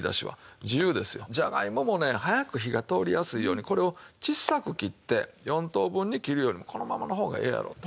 じゃがいももね早く火が通りやすいようにこれを小さく切って４等分に切るよりもこのままの方がええやろうと。